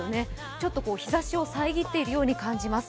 ちょっと日ざしを遮っているように感じます。